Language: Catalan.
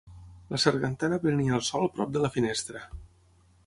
La sargantana prenia el sol prop de la finestra.